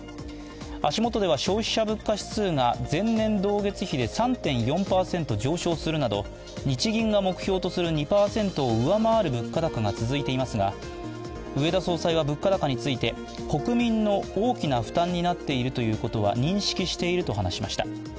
足元では消費者物価指数が前年同月比で３．４％上昇するなど、日銀が目標とする２％を、上回る物価高が続いていますが、植田総裁は物価高について国民の大きな負担になっているということは認識していると話しました。